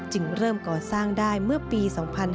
เริ่มก่อสร้างได้เมื่อปี๒๕๕๙